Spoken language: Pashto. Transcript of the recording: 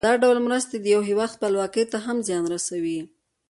دا ډول مرستې د یو هېواد خپلواکۍ ته هم زیان رسوي.